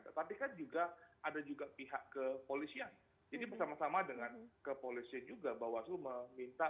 tetapi kan juga ada juga pihak kepolisian jadi bersama sama dengan kepolisian juga bawaslu meminta